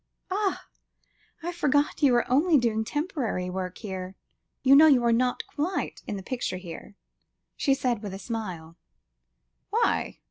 "Ah! I forgot you are only doing temporary work here. You know you are not quite 'in the picture' here," she said with a smile. "Why?"